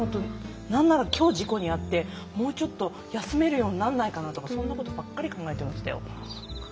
何なら今日、事故に遭ってもうちょっと休めるようにならないかなってそんなことばかり考えてましたよ。